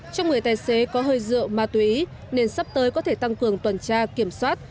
trong người tài xế có hơi rượu ma túy nên sắp tới có thể tăng cường tuần tra kiểm soát